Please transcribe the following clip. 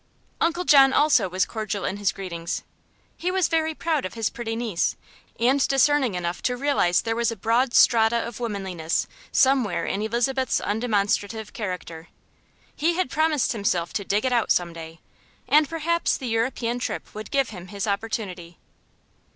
Uncle John also was cordial in his greetings. He was very proud of his pretty niece, and discerning enough to realize there was a broad strata of womanliness somewhere in Elizabeth's undemonstrative character. He had promised himself to "dig it out" some day, and perhaps the European trip would give him his opportunity.